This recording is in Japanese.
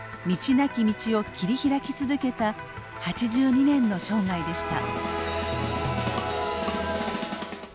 なき道を切り開き続けた８２年の生涯でした。